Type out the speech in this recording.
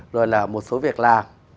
rồi là một số việc là